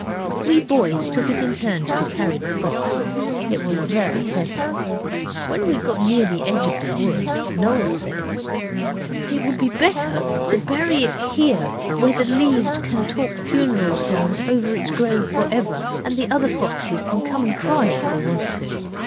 We boys took it in turns to carry the fox. It was very heavy. When we got near the edge of the wood Noel said 'It would be better to bury it here, where the leaves can talk funeral songs over its grave for ever, and the other foxes can come and cry if they want to.